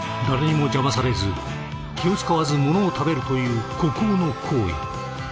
誰にも邪魔されず気を遣わずものを食べるという孤高の行為。